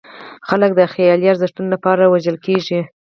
خلک د خیالي ارزښتونو لپاره وژل کېږي.